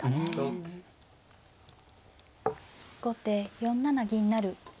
後手４七銀成。